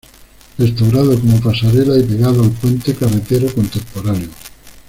Restaurado como pasarela y pegado al puente carretero contemporáneo.